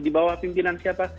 di bawah pimpinan siapa